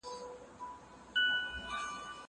زه کولای سم مرسته وکړم؟!